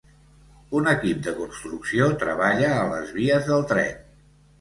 Un equip de construcció treballa a les vies del tren.